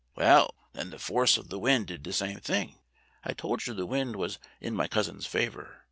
"Well, then the force of the wind did the same thing. I told you the wind was in my cousin's favor.